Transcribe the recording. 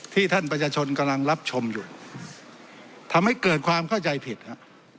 ท่านประชาชนกำลังรับชมอยู่ทำให้เกิดความเข้าใจผิดฮะ